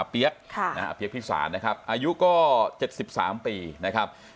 ออพิสารปี๊ยกพิสารอายุก็๗๓ปี